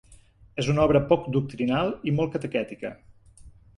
És una obra poc doctrinal i molt catequètica.